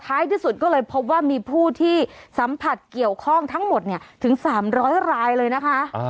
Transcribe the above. ที่สุดก็เลยพบว่ามีผู้ที่สัมผัสเกี่ยวข้องทั้งหมดถึง๓๐๐รายเลยนะคะ